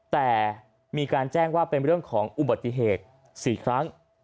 แต่มีการแจ้งว่าเป็นเรื่องของอุบัติเหตุ๔ครั้ง